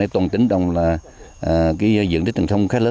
tổng tính đồng là diện tích tầng thông